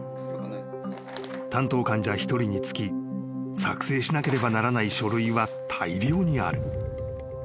［担当患者一人につき作成しなければならない書類は大量にある］